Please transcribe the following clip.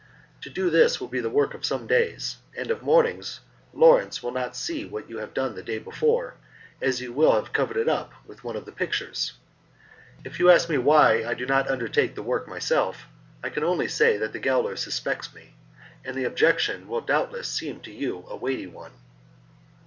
To do this will be the work of some days, and of mornings Lawrence will not see what you have done the day before, as you will have covered it up with one of the pictures. If you ask me why I do not undertake the work myself, I can only say that the gaoler suspects me, and the objection will doubtless seem to you a weighty one."